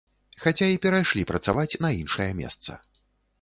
Хаця і перайшлі працаваць на іншае месца.